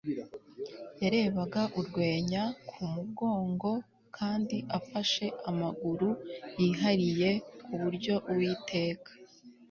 yarebaga urwenya ku mugongo, kandi afashe amaguru yihariye, ku buryo uwiteka